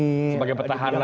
sebagai petahana ya